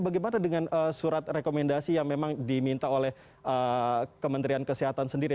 bagaimana dengan surat rekomendasi yang memang diminta oleh kementerian kesehatan sendiri